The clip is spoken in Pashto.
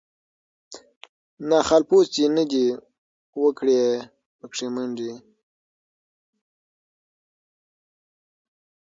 نه خالپوڅي نه دي وکړې پکښی منډي